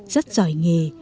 rất giỏi nghiệp